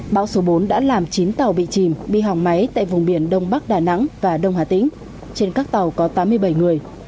bão số bốn đã làm chín tàu bị chìm đi hỏng máy tại vùng biển đông bắc đà nẵng và đông hà tĩnh trên các tàu có tám mươi bảy người